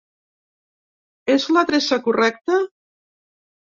És l'adreça correcte?